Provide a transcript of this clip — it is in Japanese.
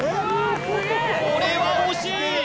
これは惜しい！